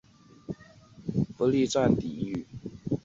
朱谦不得不力战抵御。